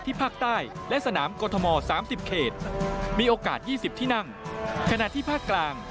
ภาคใต้และสนามกรทม๓๐เขตมีโอกาสยี่สิบที่นั่งขณะที่ภาคกลาง